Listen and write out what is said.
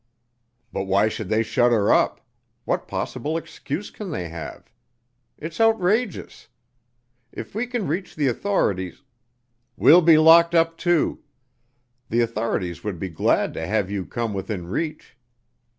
"But why should they shut her up? What possible excuse can they have? It's outrageous. If we can reach the authorities " "We'll be locked up too. The authorities would be glad to have you come within reach.